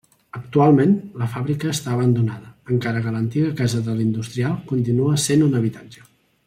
Actualment la fàbrica està abandonada encara que l'antiga casa de l'industrial continua essent un habitatge.